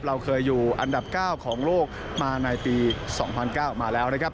เราเคยอยู่อันดับ๙ของโลกมาในปี๒๐๐๙มาแล้วนะครับ